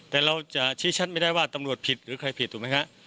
แต่เราจะชี้ชัดไม่ได้ว่าตำรวจผิดหรือใครผิดถูกไหมฮะ